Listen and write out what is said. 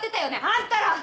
あんたら！